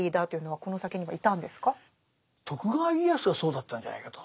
はい。